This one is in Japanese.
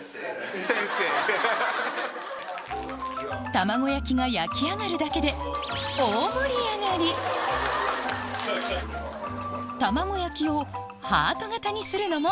卵焼きが焼き上がるだけで卵焼きをハート形にするのも大好評